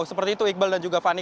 seperti itu iqbal dan juga fani